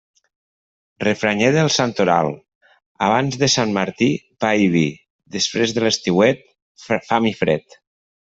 Refranyer del santoral Abans de Sant Martí, pa i vi; després de l'estiuet, fam i fred.